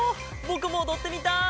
ぼくもおどってみたい！